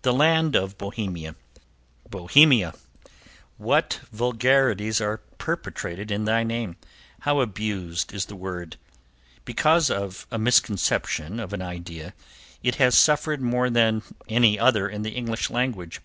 The Land of Bohemia Bohemia! What vulgarities are perpetrated in thy name! How abused is the word! Because of a misconception of an idea it has suffered more than any other in the English language.